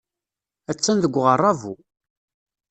Attan deg uɣerrabu.